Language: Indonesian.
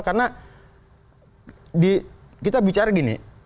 karena kita bicara gini